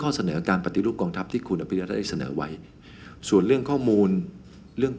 คงจะมีการชี้แจงนะครับแล้วก็คงอย่างที่ผมบอกในส่วนของผมเองนะครับผมอยากจะสนทนา